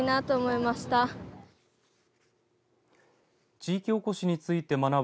地域おこしについて学ぶ